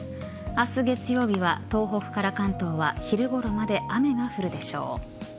明日月曜日は東北から関東は昼頃まで雨が降るでしょう。